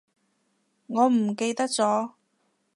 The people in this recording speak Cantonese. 我唔記得咗